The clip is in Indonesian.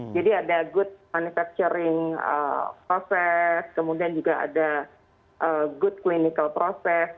jadi ada good manufacturing process kemudian juga ada good clinical process